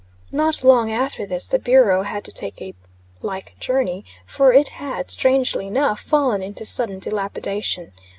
Not long after this, the bureau had to take a like journey, for it had, strangely enough, fallen into sudden dilapidation.